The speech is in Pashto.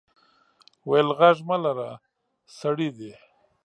وې غږ مه لره سړي دي.